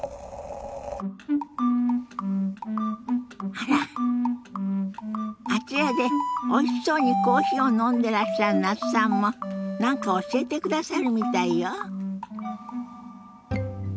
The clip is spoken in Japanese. あらあちらでおいしそうにコーヒーを飲んでらっしゃる那須さんも何か教えてくださるみたいよ。